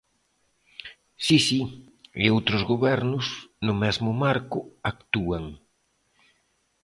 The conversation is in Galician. Si, si, e outros gobernos, no mesmo marco, actúan.